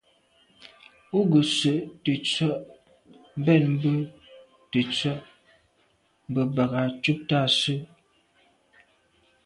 Û gə̄ sə̂' tə̀tswə́' mbɛ̂n bə̂ tə̀tswə́' mbə̄ bə̀k à' cúptə́ â sə́.